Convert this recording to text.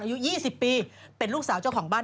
อายุ๒๐ปีเป็นลูกสาวเจ้าของบ้าน